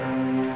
ya udah om baik